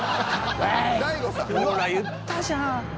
ほら言ったじゃん。